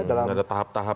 dalam tahap tahap ya